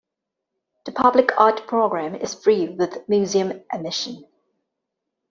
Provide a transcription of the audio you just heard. The Public Art Program is Free with Museum Admission.